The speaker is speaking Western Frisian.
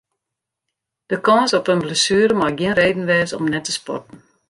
De kâns op in blessuere mei gjin reden wêze om net te sporten.